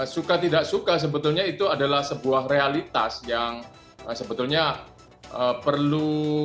suka tidak suka sebetulnya itu adalah sebuah realitas yang sebetulnya perlu